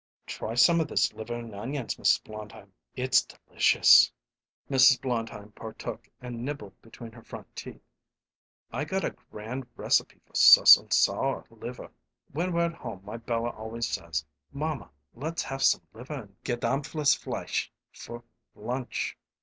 "Try some of this liver and onions, Mrs. Blondheim; it's delicious." Mrs. Blondheim partook and nibbled between her front teeth. "I got a grand recipe for suss und sauer liver. When we're at home my Bella always says, 'Mamma, let's have some liver and gedämftes fleisch for lunch.'"